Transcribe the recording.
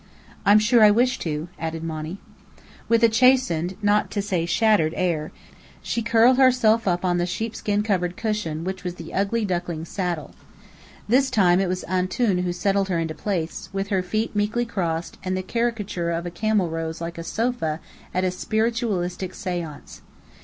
"I'm sure I wish to," added Monny. With a chastened, not to say shattered air, she curled herself up on the sheepskin covered cushion which was the ugly Duckling's saddle. This time it was "Antoun" who settled her into place, with her feet meekly crossed; and the caricature of a camel rose like a sofa at a spiritualistic séance.